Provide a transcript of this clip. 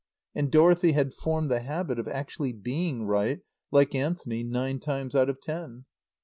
And Dorothy had formed the habit of actually being right, like Anthony, nine times out of ten.